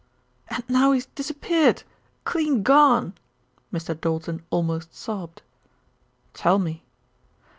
"And now he's disappeared clean gone." Mr. Doulton almost sobbed. "Tell me."